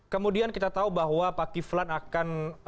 kemudian kita tahu bahwa pak kiflan akan